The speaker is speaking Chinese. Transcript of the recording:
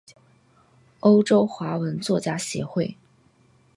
欧洲华文作家协会。